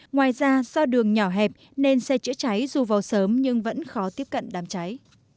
ngoài ra do đường nhỏ hẹp nên xe chữa cháy dù vào sớm nhưng vẫn khó tiếp cận đám cháy